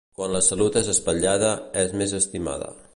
Quan la salut és espatllada és més estimada.